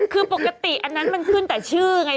คือปกติอันนั้นมันขึ้นแต่ชื่อไง